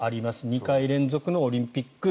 ２回連続のオリンピック。